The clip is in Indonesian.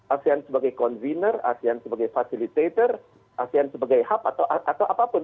asean sebagai convener asean sebagai fasilitator asean sebagai hub atau apapun